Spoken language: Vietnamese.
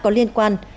có liên quan